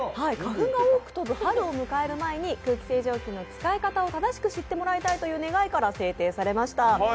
花粉が多く飛ぶ春を迎える前に空気清浄機の使い方を正しく知ってほしいということで制定されました。